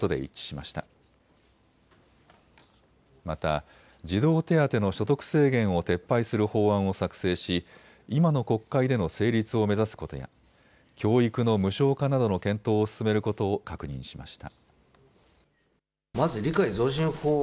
また児童手当の所得制限を撤廃する法案を作成し今の国会での成立を目指すことや教育の無償化などの検討を進めることを確認しました。